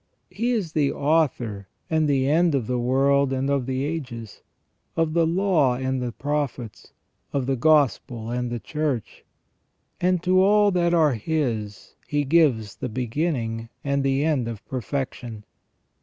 He is the author and the end of the world and of the ages, of the Law FROM THE BEGINNING TO THE END OF MAN. 399 and the Prophets, of the Gospel and the Church, and to all that are His He gives the beginning and the end of perfection.